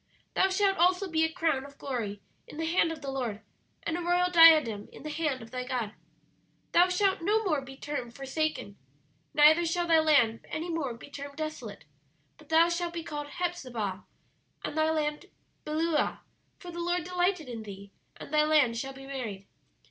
"'Thou shalt also be a crown of glory in the hand of the Lord, and a royal diadem in the hand of thy God. "'Thou shalt no more be termed Forsaken; neither shall thy land any more be termed Desolate: but thou shalt be called Hephzibah, and thy land Beulah: for the Lord delighted in thee, and thy land shall be married.